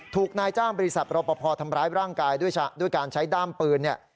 ถูกนายจ้างบริษัทรปภทำร้ายร่างกายด้วยการใช้ด้ามปืนเนี่ย